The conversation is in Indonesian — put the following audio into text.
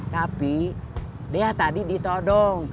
tapi dia tadi ditodong